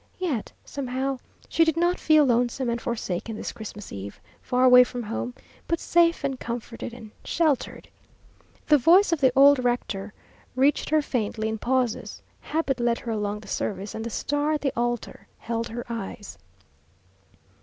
Yet, somehow, she did not feel lonesome and forsaken this Christmas eve, far away from home, but safe and comforted and sheltered. The voice of the old rector reached her faintly in pauses; habit led her along the service, and the star at the altar held her eyes.